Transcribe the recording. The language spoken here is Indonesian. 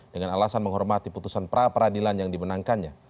dengan alasan menghormati putusan pra peradilan yang dimenangkannya